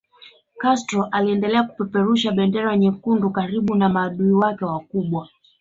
Castro aliendelea kupeperusha bendera nyekundu karibu na maadui wake wakubwa